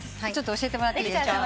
教えてもらっていいですか？